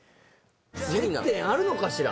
接点あるのかしら？